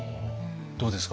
どうですか？